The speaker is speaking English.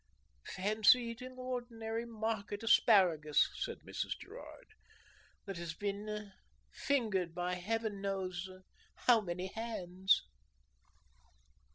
"Fancy eating ordinary market asparagus," said Mrs. Gerard, "that has been fingered by Heaven knows how many hands."